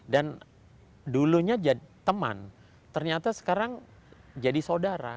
dan dulunya teman ternyata sekarang jadi saudara